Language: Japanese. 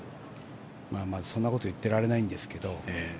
そんなこと言ってられないんですけど。